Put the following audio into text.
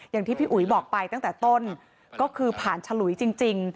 อย่างที่พี่อุ๋ยบอกไปตั้งแต่ต้นก็คือผ่านฉลุยจริง